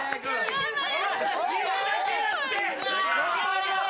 頑張れ。